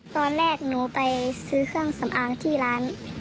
ตอนแรกหนูไปซื้อเครื่องสำอางที่ร้าน